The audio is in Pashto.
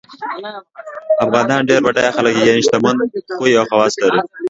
افغانان ډېر بډایه خلګ دي یعنی شتمن خوی او خواص لري